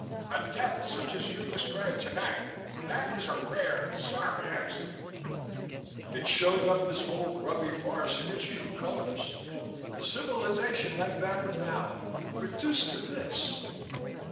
A death such as you described tonight that is a rare and sorry accident." "It showed up this whole grubby farce in its true colors. A civilization like that of Vallon reduced to this."